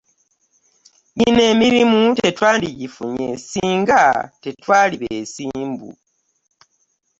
Gino emirimu tetwandigifunye ssinga tetwali beesimbu.